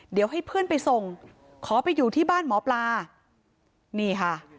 เดี๋ยวให้เพื่อนไปส่งขอไปอยู่ที่บ้านหมอปลานี่ค่ะ